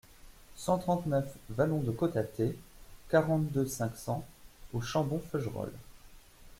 cent trente-neuf vallon de Cotatay, quarante-deux, cinq cents au Chambon-Feugerolles